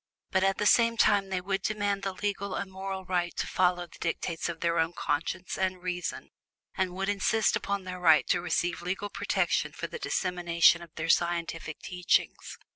But at the same time they would demand the legal and moral right to follow the dictates of their own conscience and reason, and would insist upon their right to receive legal protection for the dissemination of their scientific teachings.